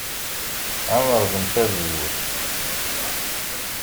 Ad nerẓem tazewwut.